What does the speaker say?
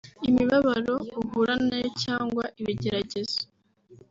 Imibabaro uhura nayo cyangwa ibigeragezo